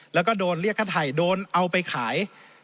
แล้วก็โดนเรียกค่าไทยโดนเอาไปขาย